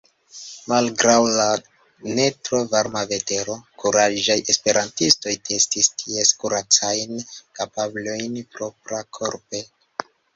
Malgraŭ la ne tro varma vetero, kuraĝaj esperantistoj testis ties kuracajn kapablojn proprakorpe.